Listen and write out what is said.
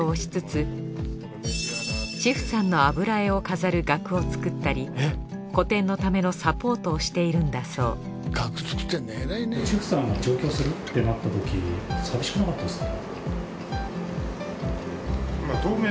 茅布さんの油絵を飾る額を作ったり個展のためのサポートをしているんだそう額作ってるんだ偉いね。